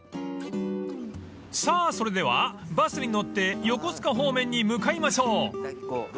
［さぁそれではバスに乗って横須賀方面に向かいましょう］